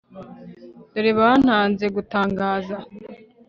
dore bantanze gutangaza